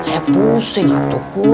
saya pusing atuh kum